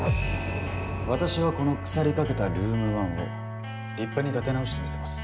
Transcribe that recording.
私は、この腐れかけたルーム１を立派に立て直してみせます。